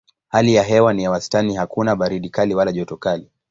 Hali ya hewa ni ya wastani hakuna baridi kali wala joto kali.